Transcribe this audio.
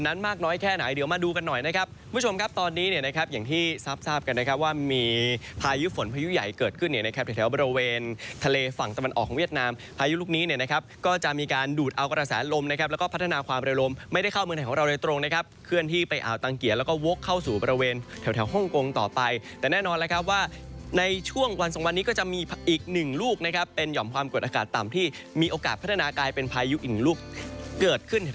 นั้นมากน้อยแค่ไหนเดี๋ยวมาดูกันหน่อยนะครับผู้ชมครับตอนนี้เนี่ยนะครับอย่างที่ทราบทราบกันนะครับว่ามีพายุฝนพายุใหญ่เกิดขึ้นเนี่ยนะครับแถวแถวบริเวณทะเลฝั่งตะวันออกของเวียดนามพายุลูกนี้เนี่ยนะครับก็จะมีการดูดเอากระสาห์ลมนะครับแล้วก็พัฒนาความระยะลมไม่ได้เข้าเมืองแถวของเราเลยตรงนะครับเค